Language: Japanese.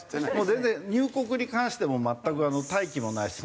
全然入国に関しても全く待機もないし。